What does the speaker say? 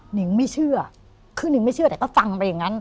นิงไม่เชื่อคือนิงไม่เชื่อแต่ก็ฟังไปอย่างนั้น